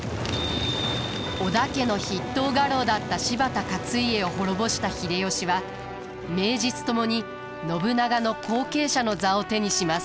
織田家の筆頭家老だった柴田勝家を滅ぼした秀吉は名実ともに信長の後継者の座を手にします。